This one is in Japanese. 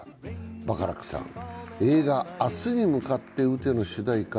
バカラックさん、映画「明日に向かって撃て！」の主題歌